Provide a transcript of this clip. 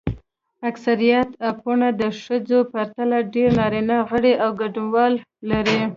اکثریت اپونه د ښځو پرتله ډېر نارینه غړي او ګډونوال لري.